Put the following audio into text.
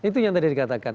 itu yang tadi dikatakan